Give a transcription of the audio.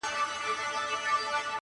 پکښی شخول به وو همېش د بلبلانو-